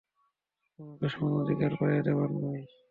তোমাকে সমান অধিকার পাইয়ে দেবার নয়।